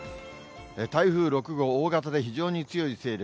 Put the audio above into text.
台風６号、大型で非常に強い勢力。